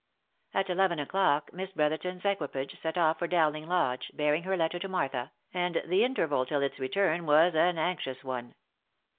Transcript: At eleven o'clock Miss Brotherton's equipage set off for Dowl/rg* lodge, bearing her letter to Martha, and the interval till its returr was an anxious one.